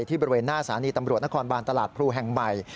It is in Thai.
บริเวณหน้าสถานีตำรวจนครบานตลาดพลูแห่งใหม่